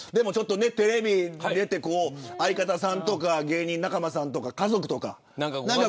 テレビに出て相方さんとか、芸人仲間さんとか家族とか。